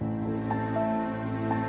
nanti bu mau ke rumah